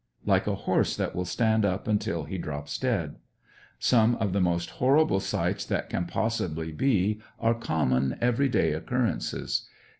Like a horse, that will stand up until he drops dead. Some of the most horrible slights that can possibly be, are common every day occurrances.